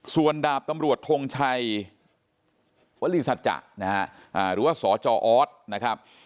ส่วนดาบทำรวจธงชัยวัลีสัจจหรือสศอนะครับ